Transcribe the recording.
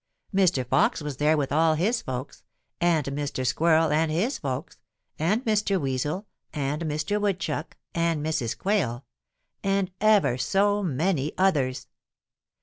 Mr. Fox was there with all his folks, and Mr. Squirrel and his folks, and Mr. Weasel and Mr. Woodchuck and Mrs. Quail, and ever so many others.